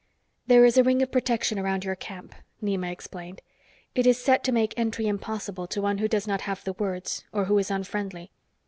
"There is a ring of protection around your camp," Nema explained. "It is set to make entry impossible to one who does not have the words or who is unfriendly.